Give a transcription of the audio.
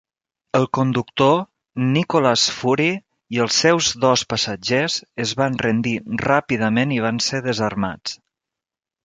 El conductor, Nicolaas Fourie, i els seus dos passatgers es van rendir ràpidament i van ser desarmats.